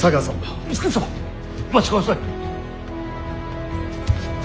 お待ちください！